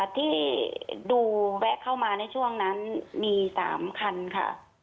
ที่ดูแวะเข้ามาในช่วงนั้นมี๓คันค่ะ